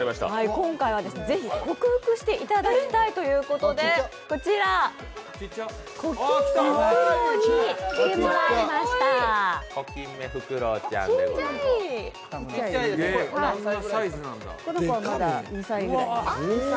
今回はぜひ、克服していただきたいということでこちら、コキンメフクロウに来てもらいました。